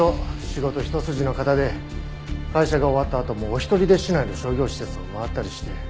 仕事ひと筋の方で会社が終わったあともお一人で市内の商業施設を回ったりして。